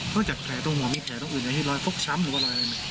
เพราะจากแผลตรงหัวมีแผลตรงอื่นอย่างที่รอยพกช้ำหรือว่ารอยอะไรไหม